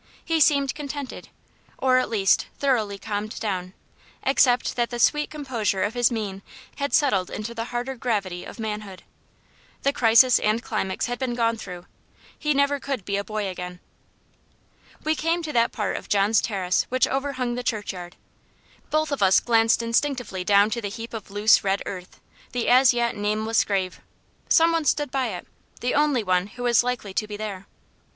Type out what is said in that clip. He seemed contented or, at least, thoroughly calmed down; except that the sweet composure of his mien had settled into the harder gravity of manhood. The crisis and climax of youth had been gone through he never could be a boy again. We came to that part of John's terrace which overhung the churchyard. Both of us glanced instinctively down to the heap of loose red earth the as yet nameless grave. Some one stood beside it the only one who was likely to be there.